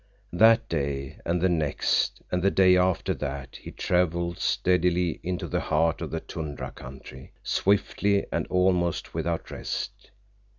That day, and the next, and the day after that he traveled steadily into the heart of the tundra country, swiftly and almost without rest.